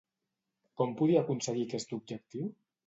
Com podia aconseguir aquest objectiu?